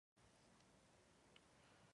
ⴷⴰⵔⵉ ⵢⴰⵏ ⵓⵜⴱⵉⵔ ⴰⴱⵕⴱⴰⵛ.